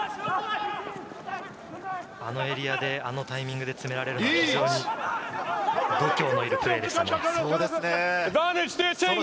あのエリアであのタイミングで攻められると、非常に度胸のいるプレーでしたね。